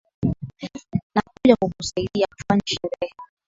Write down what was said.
Nakuja kukusaidia kufanya sherehe